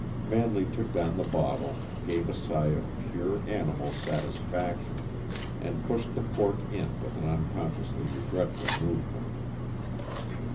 Manley took down the bottle, gave a sigh of pure, animal satisfaction, and pushed the cork in with an unconsciously regretful movement.